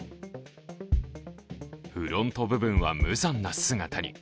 フロント部分は無残な姿に。